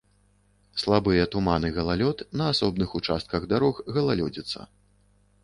Слабыя туман і галалёд, на асобных участках дарог галалёдзіца.